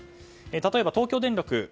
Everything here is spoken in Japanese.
例えば東京電力。